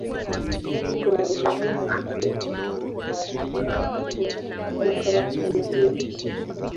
Basi kuna ulazima wa kuwepo mawasiliano kuweza kufahamu kama huduma hiyo ipo